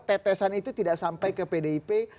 tetesan itu tidak sampai ke pdip